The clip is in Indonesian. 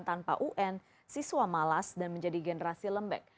tanpa un siswa malas dan menjadi generasi lembek